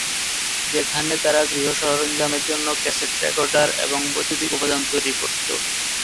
যেখানে তারা গৃহ সরঞ্জামের জন্য ক্যাসেট রেকর্ডার এবং বৈদ্যুতিক উপাদান তৈরি করতো।